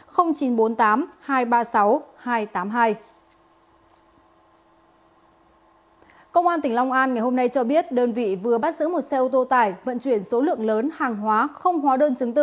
công an tỉnh long an ngày hôm nay cho biết đơn vị vừa bắt giữ một xe ô tô tải vận chuyển số lượng lớn hàng hóa không hóa đơn chứng từ